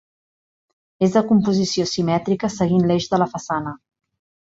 És de composició simètrica seguint l'eix de la façana.